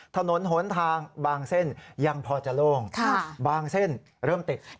ถนนหนทางบางเส้นยังพอจะโล่งบางเส้นเริ่มติด